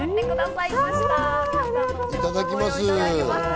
いただきます。